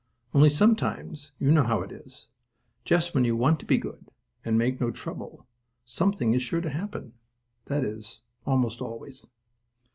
Only, sometimes, you know how it is, just when you want to be good and make no trouble something is sure to happen; that is, most always.